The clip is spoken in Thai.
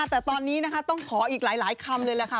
แต่ตอนนี้นะคะต้องขออีกหลายคำเลยแหละค่ะ